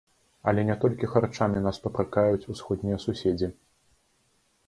Але не толькі харчамі нас папракаюць усходнія суседзі.